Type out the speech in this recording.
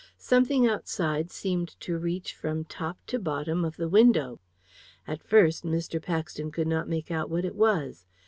Something outside seemed to reach from top to bottom of the window. At first Mr. Paxton could not make out what it was.